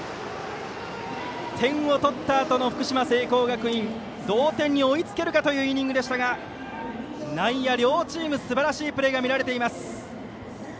点を取ったあとの福島・聖光学院同点に追いつけるかというイニングでしたが内野両チームすばらしいプレーが見られています。